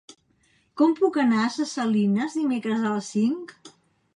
Com puc anar a Ses Salines dimecres a les cinc?